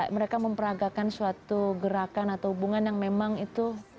mereka memperagakan suatu gerakan atau hubungan yang memang itu